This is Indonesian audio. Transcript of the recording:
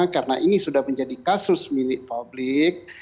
karena ini sudah menjadi kasus milik publik